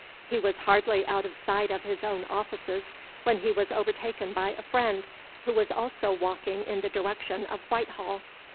He was hardly out of sight of his own offices when he was overtaken by a friend, who was also walking in the direction of Whitehall.